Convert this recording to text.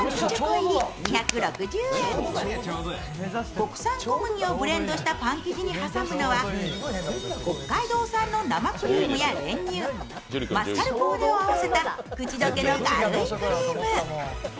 国産小麦をブレンドしたパン生地に挟むのは北海道産の生クリームや練乳マスカルポーネを合わせた口溶けの軽いクリーム。